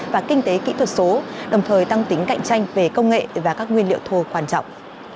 và kinh tế kỹ thuật số đồng thời tăng tính cạnh tranh về công nghệ và các nguyên liệu thô quan trọng